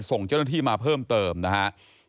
ส่งเจ้าหน้าที่มาเพิ่มเติมนะครับ